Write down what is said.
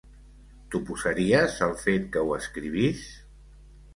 T'oposaries al fet que ho escrivís?